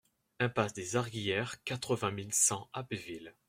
Impasse des Argillières, quatre-vingt mille cent Abbeville